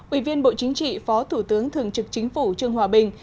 ủy viên bộ chính trị phó thủ tướng thường trực chính phủ trương hòa bình